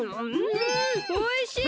んおいしい！